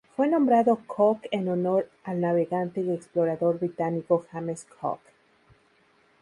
Fue nombrado Cook en honor al navegante y explorador británico James Cook.